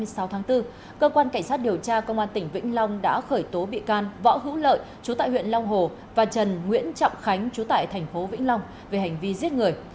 trước đó đêm ngày hai mươi sáu tháng bốn cơ quan cảnh sát điều tra công an tỉnh vĩnh long đã khởi tố bị can võ hữu lợi chú tại huyện long hồ và trần nguyễn trọng khánh chú tại thành phố vĩnh long về hành vi giết người